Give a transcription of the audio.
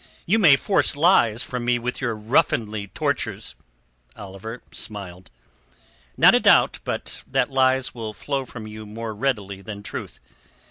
"You may force lies from me with your ruffianly tortures." Oliver smiled. "Not a doubt but that lies will flow from you more readily than truth.